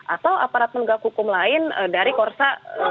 atau aparat penegak hukum lain dari korsa